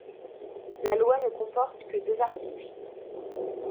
La loi ne comporte que deux articles.